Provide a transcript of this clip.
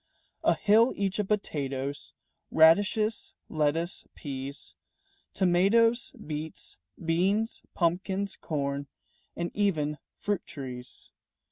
A hill each of potatoes, Radishes, lettuce, peas, Tomatoes, beets, beans, pumpkins, corn, And even fruit trees.